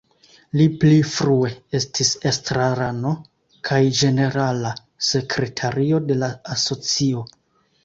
Li pli frue estis estrarano kaj ĝenerala sekretario de la asocio.